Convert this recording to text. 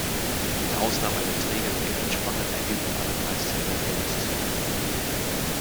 Mit Ausnahme der Träger der Ehrenspange erhielten alle Preisträger Geldzuwendungen.